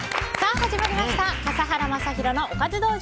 始まりました笠原将弘のおかず道場。